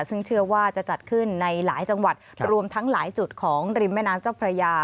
ซึ่งเชื่อว่าจะจัดขึ้นในหลายจังหวัดรวมทั้งหลายจุดของริมแม่น้ำเจ้าพระยา